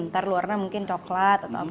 ntar warna mungkin coklat atau apa